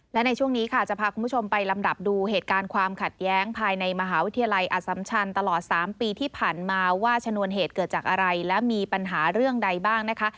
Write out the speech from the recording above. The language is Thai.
และในช่วงนี้ค่ะจะพาคุณผู้ชมไปลำดับดูเหตุการณ์ความขัดแย้งภายในมหาวิทยาลัยอสัมชันตลอด๓ปีที่ผ่านมาว่าชนวนเหตุเกิดจากอะไรและมีปัญหาเรื่องใดบ้างนะคะ